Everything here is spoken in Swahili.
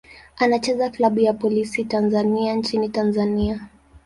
Anachezea klabu ya Polisi Tanzania nchini Tanzania.